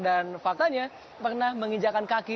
dan faktanya pernah menginjakan kaki